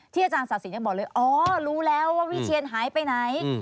ที่อาจารย์สักษีบอกเลยอ๋อรู้แล้วว่าวิเทียนหายไปไหน